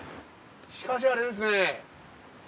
しかしあれですね。